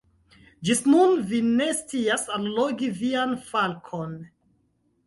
Ĝis nun vi ne scias allogi vian falkon?